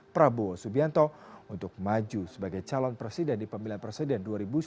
prabowo subianto untuk maju sebagai calon presiden di pemilihan presiden dua ribu sembilan belas